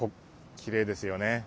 きれいですよね。